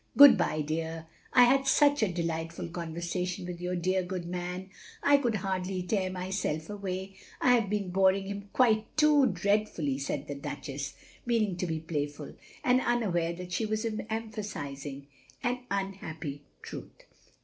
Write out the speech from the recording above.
"Good bye, dear, I had such a delightful con versation with yoiir dear good man, I could hardly tear myself away. I have been boring him qtiite too dreadfully," said the Duchess, meaning to be playful, and unaware that she was empha sising an unhappy truth.